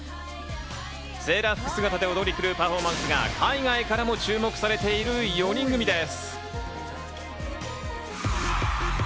セーラー服姿で踊り狂うパフォーマンスが海外からも注目されている４人組です。